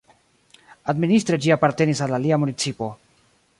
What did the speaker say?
Administre ĝi apartenis al alia municipo.